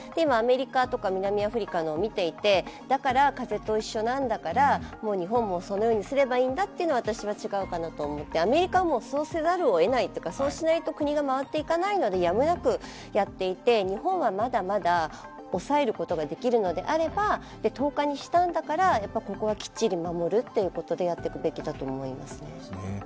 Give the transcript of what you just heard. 今、アメリカとか南アフリカのを見ていてだから風邪と一緒なんだから、日本もそのようにすればいいんだというのは私は違うかなと思ってアメリカはもうそうせざるをえないというか、そうしないとくにが回っていかないのでやむなくやっていて日本はまだまだ抑えることができるのであれば１０日にしたんだから、ここはきっちり守るということでやっていくべきだと思います。